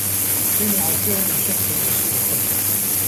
سمع سامي شخصا يسير خلفه.